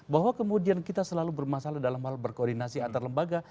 bahwa kemudian kita selalu bermasalah dalam hal berkoordinasi antar lembaga